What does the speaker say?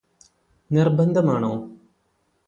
നിർബന്ധമാണോ